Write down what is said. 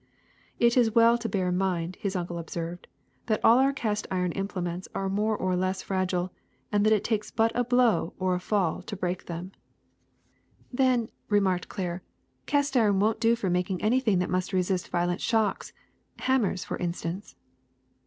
'' ^^It is well to bear in mind," his uncle observed, that all our cast iron implements are more or less fragile, and that it takes but a blow or a fall to break them. '' IRON 157 '* Then, '' remarked Claire, ^* cast iron won 't do for making anything that must resist violent shocks — hammers, for instance.